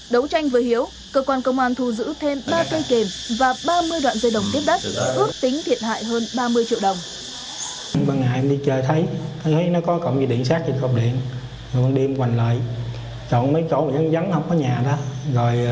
đấu tranh với hiếu cơ quan công an thu giữ thêm ba cây và ba mươi đoạn dây đồng tiếp đất ước tính thiệt hại hơn ba mươi triệu đồng